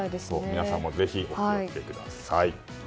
皆さんもぜひお気を付けください。